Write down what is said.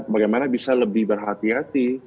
bagaimana bisa lebih berhati hati